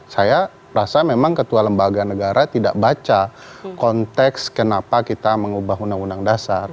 saya rasa memang ketua lembaga negara tidak baca konteks kenapa kita mengubah uud